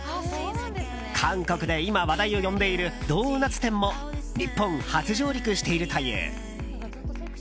韓国で今、話題を呼んでいるドーナツ店も日本初上陸しているという。